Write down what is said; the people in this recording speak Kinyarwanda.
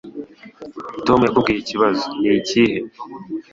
Tom yakubwiye ikibazo nikihe